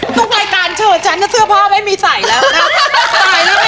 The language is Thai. ทุกรายการโชว์ฉันชื่อพ่อไม่มีใส่แล้วนะ